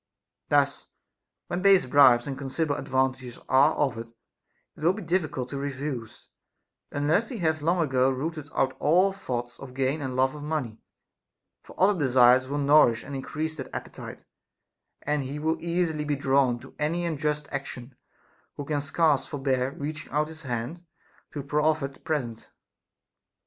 Thus, when base bribes and considerable advantages are offered, it will be difficult to refuse, unless he hath long ago rooted out all thoughts of gain and love of money ; for other desires will nourish and increase that appetite, and he will easily be drawn to any unjust action who can scarce for bear reaching out his hand to a proffered present.